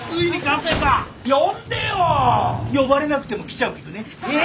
呼ばれなくても来ちゃうけどね。